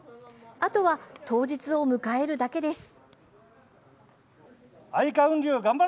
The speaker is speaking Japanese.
あとは当日を迎えるだけです。